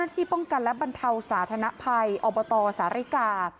ที่ป้องกันและบรรเทาสาธนภัยอบตสาริกา